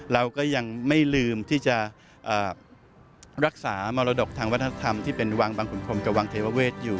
เราก็ยังไม่ลืมที่จะรักษามรดกทางวัฒนธรรมที่เป็นวังบางขุนพรมกับวังเทวเวศอยู่